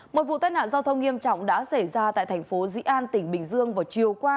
một vụ tai nạn giao thông nghiêm trọng đã xảy ra tại thành phố dĩ an tỉnh bình dương vào chiều qua